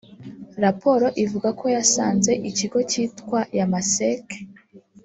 raporo ivuga ko yasanze ikigo kitwa Yamasec